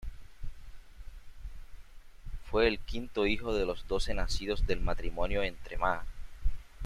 Fue el quinto hijo de los doce nacidos del matrimonio entre Ma.